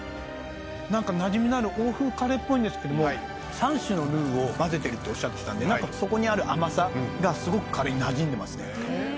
なんかなじみのある欧風カレーっぽいんですけれども、３種のルウを混ぜてるっておっしゃってたんで、なんかそこにある甘さがすごくカレーになじんでますね。